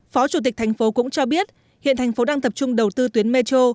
phó chủ tịch tp hcm cũng cho biết hiện thành phố đang tập trung đầu tư tuyến metro